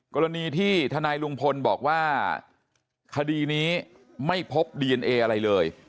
กรณีที่ทนายลุงพลบอกว่าคดีนี้ไม่พบดีเอนเออะไรเลย